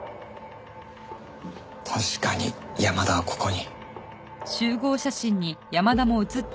確かに山田はここに。